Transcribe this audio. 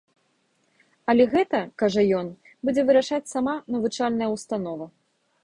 Але гэта, кажа ён, будзе вырашаць сама навучальная ўстанова.